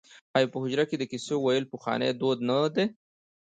آیا په حجره کې د کیسو ویل پخوانی دود نه دی؟